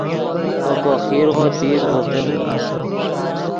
اوکو خیرغو تیز غوڤڈیم